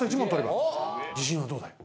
自信はどうだい？